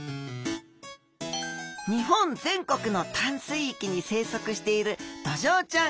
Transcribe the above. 日本全国の淡水域に生息しているドジョウちゃん。